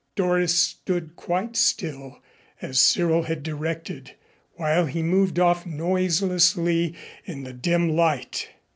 Doris stood quite still, as Cyril had directed, while he moved off noiselessly in the dim light.